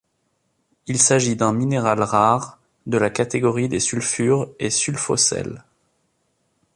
Il s'agit d'un minéral rare, de la catégorie des sulfures et sulfosels.